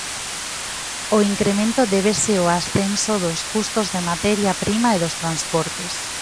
O incremento débese ao ascenso dos custos da materia prima e dos transportes.